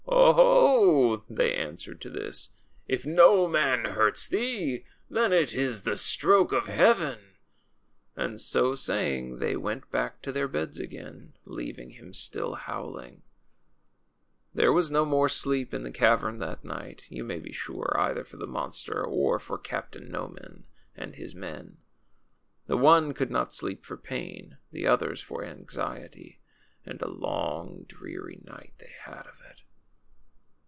^ Oho! ' they answered to this, ^ if no man hurts thee, then it is the stroke of Heaven.' ^^And so saying, they went back to their beds again, leaving him still howling. THE THRILLING STORY OF CAPTAIN NOMAN. 115 There was no more sleep in the cavern that night, you may be sure, either for the monster or for Captain Noman and his men. The one could not sleep for pain, the others for anxiety. And a long, dreary night they had of it.